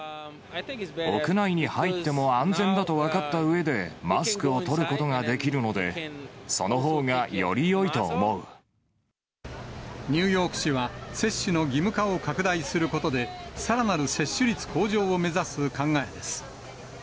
屋内に入っても安全だと分かったうえで、マスクを取ることができるので、ニューヨーク市は、接種の義務化を拡大することで、さらなる接種率向上を目指す考えです。